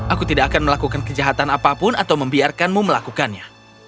aku tidak akan melakukan kejahatan apapun atau membiarkanmu melakukannya